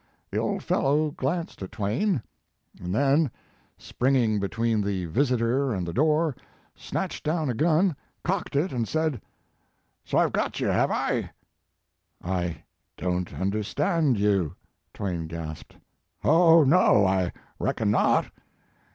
The old fellow glanced at Twain, and then, springing between the visitor and the door, snatched down a gun, cocked it and said: "So I ve got you, have I?" "I don t understand you!" Twain gasped. "Oh, no, I reckon not.